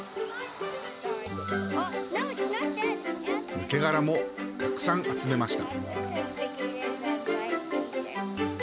抜け殻もたくさん集めました。